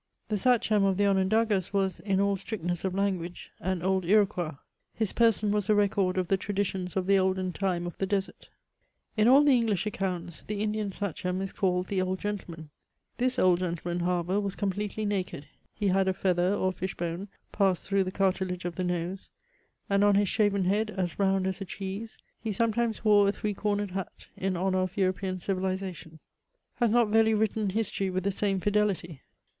The Sachem of the Onondagas was, in all strictness of lan guage, an old Iroquois ; his person was a record of the traditions of the olden time of the desert. CHATEAUBBIAND. 269 In all the English accounts, the Indian Sachem is called the old gentleman; this old gentleman, however, was completely naked; he had a feather, or fish hone passed through the cartilage of the nose ; and on his shaven head, as round as a cheese, he sometimes wore a three cornered hat, in honour of European civilisation. Has not Velly written hist(H*y with the same fidelity?